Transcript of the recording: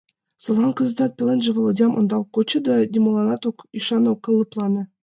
Садлан кызытат, пеленже Володям ӧндал кучыде, нимоланат ок ӱшане, ок лыплане.